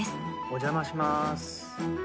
お邪魔します。